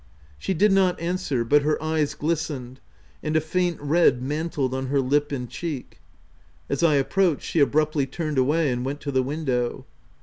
She did not answer, but her eyes glistened, and a faint red mantled on her lip and cheek. As I approached, she abruptly turned away, and went to the window.